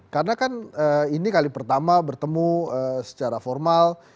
karena kan ini kali pertama bertemu secara formal